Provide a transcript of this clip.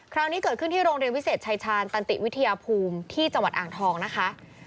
คราวนี้เกิดขึ้นที่โรงเรียนวิเศษชายชาญตันติวิทยาภูมิที่จังหวัดอ่างทองนะคะ